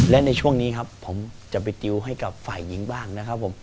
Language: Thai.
และในช่วงนี้ครับผมจะไปติวให้กับฝ่ายหญิงบ้างนะครับผม